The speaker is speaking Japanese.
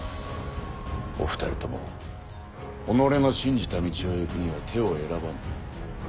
お二人とも己の信じた道を行くには手を選ばぬ。